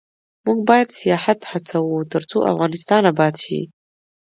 موږ باید سیاحت هڅوو ، ترڅو افغانستان اباد شي.